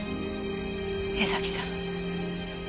江崎さん。